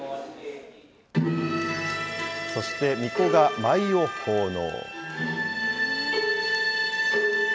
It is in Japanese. そして、みこが舞を奉納。